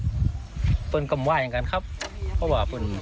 คือสิ่งแบบนี้ต้องบอกว่าเขาเอาชีวิตครอบครัวเขามาแลกเลยนะคะ